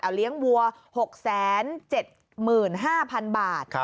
เลี้ยงวัว๖๗๕๐๐๐บาท